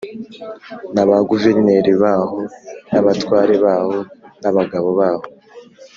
Na ba guverineri baho n abatware baho n abagabo baho